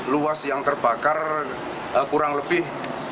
luas yang terbakar kurang lebih